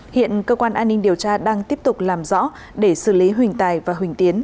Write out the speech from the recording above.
hiện cơ quan an ninh điều tra đang tiếp tục làm rõ để xử lý huỳnh tài và huỳnh tiến